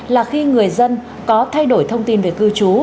là khi người dân có thay đổi thông tin về cư trú